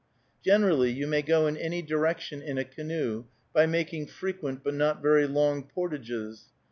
Generally, you may go in any direction in a canoe, by making frequent but not very long portages.